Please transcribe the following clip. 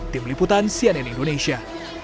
tim liputan cnn indonesia